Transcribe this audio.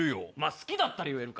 好きだったら言えるか。